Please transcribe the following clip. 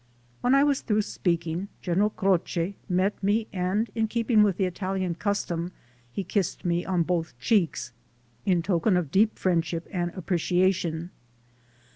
When I was through speaking, General Croce met me, and in keeping with the Italian custom he kissed me on both cheeks, in token of deep friendship and appreciation.